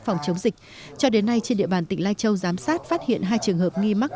phòng chống dịch cho đến nay trên địa bàn tỉnh lai châu giám sát phát hiện hai trường hợp nghi mắc